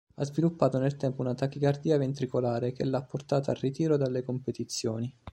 Ha sviluppato nel tempo una tachicardia ventricolare che l'ha portata al ritiro dalle competizioni.